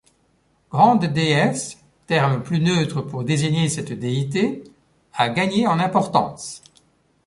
Grande Déesse, terme plus neutre pour désigner cette déité, a gagné en importance.